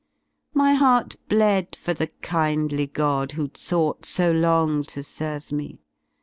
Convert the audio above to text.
My heart bled for the kindly god Who^d sought so long to serve me.